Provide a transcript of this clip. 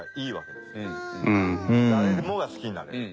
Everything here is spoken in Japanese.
誰もが好きになれる。